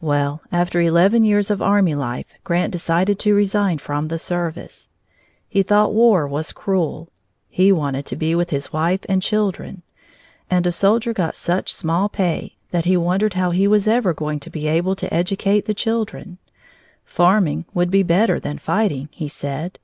Well, after eleven years of army life, Grant decided to resign from the service. He thought war was cruel; he wanted to be with his wife and children; and a soldier got such small pay that he wondered how he was ever going to be able to educate the children. Farming would be better than fighting, he said.